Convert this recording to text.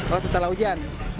oh setelah ujian